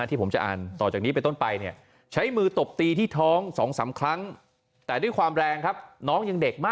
ที่ผมจะอ่านต่อจากนี้ไปต้นไปใช้มือตบตีที่ท้อง๒๓ครั้ง